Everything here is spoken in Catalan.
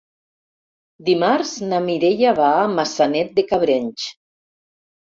Dimarts na Mireia va a Maçanet de Cabrenys.